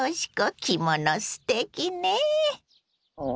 着物すてきね。